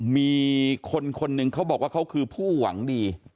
มีคนคนหนึ่งเขาบอกว่าเขาคือผู้หวังดี